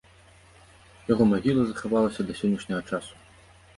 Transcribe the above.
Яго магіла захавалася да сённяшняга часу.